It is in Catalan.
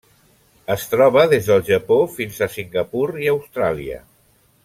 Es troba des del Japó fins a Singapur i Austràlia.